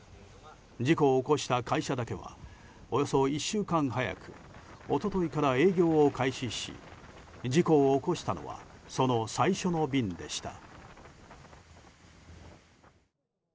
事故を起こした会社だけはおよそ１週間早く一昨日から営業を開始し事故を起こしたのはその最初の便でした。